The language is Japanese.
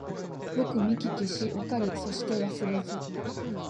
よくみききしわかりそしてわすれず